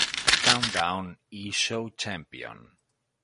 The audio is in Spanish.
Countdown" y "Show Champion".